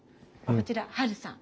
こちらハルさん。